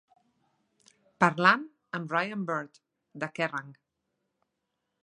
Parlant amb Ryan Bird de Kerrang!